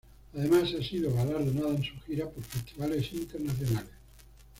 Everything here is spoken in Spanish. Además ha sido galardonada en su gira por festivales internacionales.